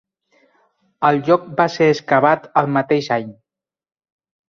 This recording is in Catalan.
El lloc va ser excavat el mateix any.